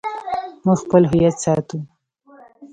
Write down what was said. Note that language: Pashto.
موږ خپل هویت ساتو